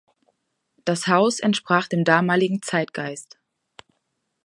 Das Haus entsprach dem damaligen Zeitgeist.